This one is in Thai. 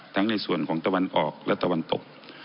ในส่วนของตะวันออกและตะวันตก